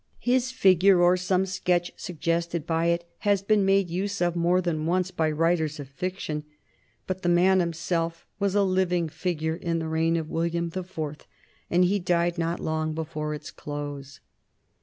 His figure, or some sketch suggested by it, has been made use of more than once by writers of fiction, but the man himself was a living figure in the reign of William the Fourth, and died not long before its close.